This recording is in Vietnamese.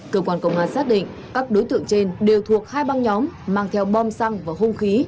cơ quan công an xác định các đối tượng trên đều thuộc hai băng nhóm mang theo bom xăng và hung khí